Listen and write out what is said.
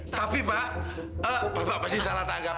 tapi pak bapak pasti salah tanggap